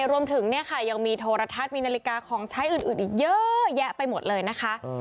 รวมถึงเนี่ยค่ะยังมีโทรทัศน์มีนาฬิกาของใช้อื่นอีกเยอะแยะไปหมดเลยนะคะ